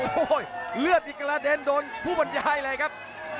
โอ้โหเลือดนี่กระเด็นโดนผู้บรรยายเลยครับ